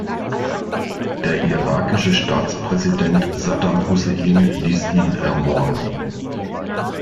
Der irakische Staatspräsident Saddam Hussein ließ ihn ermorden.